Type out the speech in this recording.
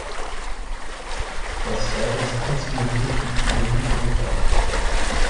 Das sei das einzige wirklich überlieferte Datum.